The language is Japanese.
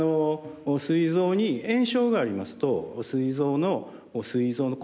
すい臓に炎症がありますとすい臓の酵素ですね